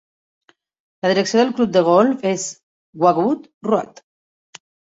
La direcció del club de golf és Wagoo Road.